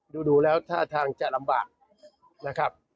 ดูแล้วท่าทางจะลำบากนะครับ